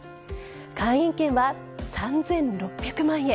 会員権は３６００万円。